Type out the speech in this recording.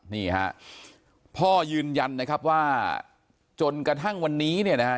นี่ฮะพ่อยืนยันนะครับว่าจนกระทั่งวันนี้เนี่ยนะฮะ